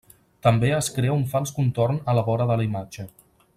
També es crea un fals contorn a la vora de la imatge.